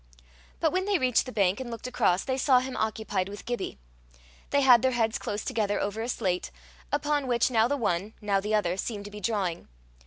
But when they reached the bank and looked across, they saw him occupied with Gibbie. They had their heads close together over a slate, upon which now the one, now the other, seemed to be drawing.